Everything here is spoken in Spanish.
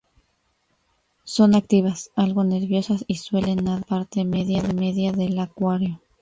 Son activas, algo nerviosas y suelen nadar en la parte media del acuario.